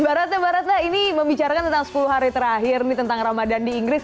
mbak ratna mbak ratna ini membicarakan tentang sepuluh hari terakhir nih tentang ramadan di inggris